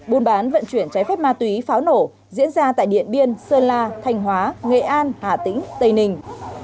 buôn bán vận chuyển trái phép ma túy pháo nổ diễn ra tại điện biên sơn la thanh hóa nghệ an hà tĩnh tây ninh